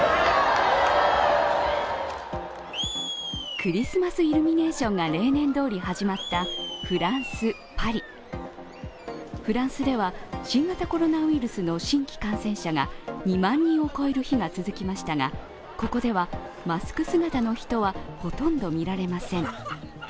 クリスマスイルミネーションが例年どおり始まったフランス・パリフランスでは、新型コロナウイルスの新規感染者が２万人を超える日が続きましたがここではマスク姿の人はほとんど見られません。